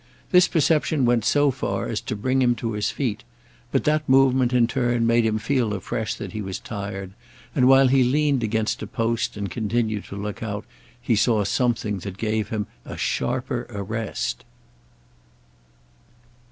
This perception went so far as to bring him to his feet; but that movement, in turn, made him feel afresh that he was tired, and while he leaned against a post and continued to look out he saw something that gave him a sharper arrest.